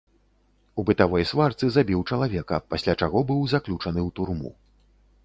У бытавой сварцы забіў чалавека, пасля чаго быў заключаны ў турму.